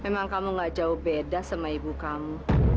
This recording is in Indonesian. memang kamu gak jauh beda sama ibu kamu